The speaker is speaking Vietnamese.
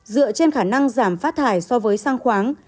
dựa trên khả năng giảm phát thải so với sang khoáng